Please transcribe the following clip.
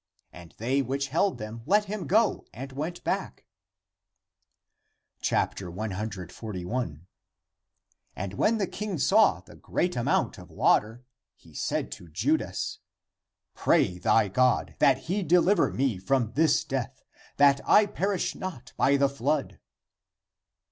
And they which held him let him go and went back, 141. When the king saw the great amount of water, he said to Judas, " Pray thy God that he de liver me from this death, that I perish not by the flood."